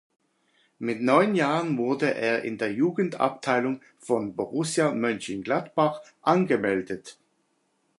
Mit neun Jahren wurde er in der Jugendabteilung von Borussia Mönchengladbach angemeldet.